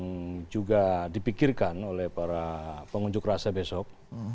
yang juga dipikirkan oleh para pengunjuk rasa besok